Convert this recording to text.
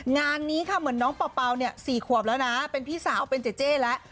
งานนี้ค่ะเหมือนน้องเป่าเนี่ย๔ขวบแล้วนะเป็นพี่สาวเป็นเจเจ้แล้ว